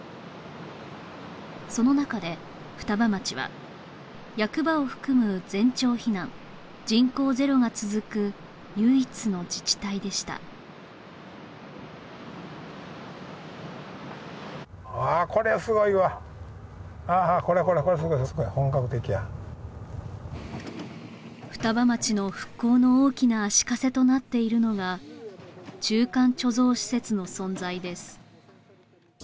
その中で双葉町は役場を含む全町避難人口ゼロが続く唯一の自治体でしたああこりゃすごいわああこれこれこれすごいすごい本格的や双葉町の復興の大きな足かせとなっているのが中間貯蔵施設の存在です